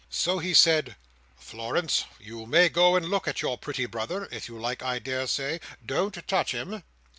So he said, "Florence, you may go and look at your pretty brother, if you like, I daresay. Don't touch him!"